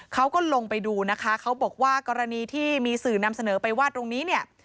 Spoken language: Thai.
เขาก็ลงไปดูนะคะเขาบอกว่ากรณีที่มีสื่อนำเสนอไปว่าตรงนี้เนี่ย